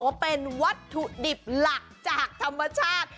ว่าเป็นวัตถุดิบหลักจากธรรมชาติ